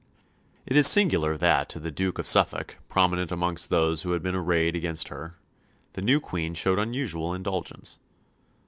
It is singular that to the Duke of Suffolk, prominent amongst those who had been arrayed against her, the new Queen showed unusual indulgence.